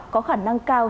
có khả năng cao